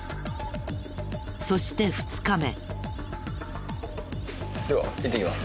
そして２日目。